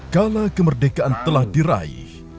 kala kemerdekaan telah diraih